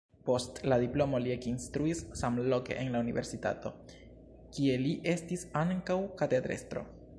Post la diplomo li ekinstruis samloke en la universitato, kie li estis ankaŭ katedrestro.